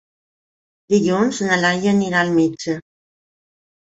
Dilluns na Laia anirà al metge.